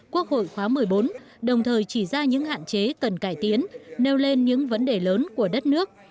quốc hội khóa một mươi bốn đồng thời chỉ ra những hạn chế cần cải tiến nêu lên những vấn đề lớn của đất nước